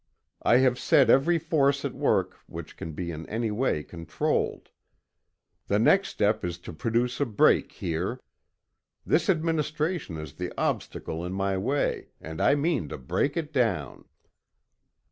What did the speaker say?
I have set every force at work which can be in any way controlled. The next step is to produce a break here. This administration is the obstacle in my way, and I mean to break it down!"